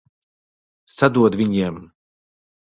Sadod viņiem!